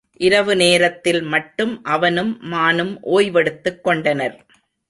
இரவு நேரத்தில் மட்டும் அவனும் மானும் ஓய்வெடுத்துக் கொண்டனர்.